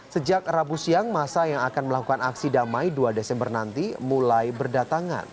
sejak rabu siang masa yang akan melakukan aksi damai dua desember nanti mulai berdatangan